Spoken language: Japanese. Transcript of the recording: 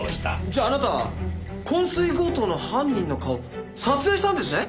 じゃああなたは昏睡強盗の犯人の顔を撮影したんですね？